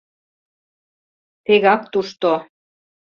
Тегак тушто